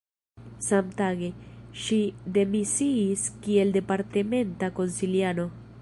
Samtage, ŝi demisiis kiel departementa konsiliano.